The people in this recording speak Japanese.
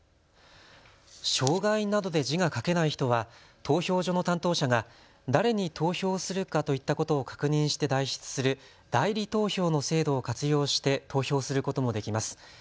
障害などで字が書けない人は投票所の担当者が誰に投票するかといったことを確認して代筆する代理投票の制度を活用して投票することもできます。